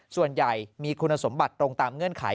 ส่วนใหญ่มีคุณสมบัติตรงตามเงื่อนไข